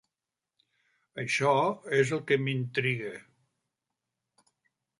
Això és el que m"intriga.